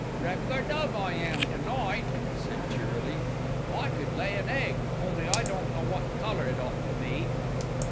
"Reg'lar dove I am to night," he said cheerily. "I could lay an egg, only I don't know wot colour it ought to be."